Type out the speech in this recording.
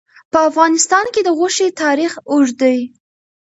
په افغانستان کې د غوښې تاریخ اوږد دی.